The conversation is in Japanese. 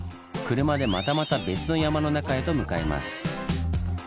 車でまたまた別の山の中へと向かいます。